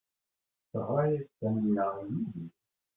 Teɣras-as Taninna i Yidir?